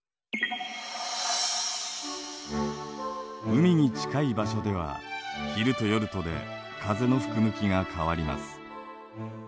海に近い場所では昼と夜とで風の吹く向きが変わります。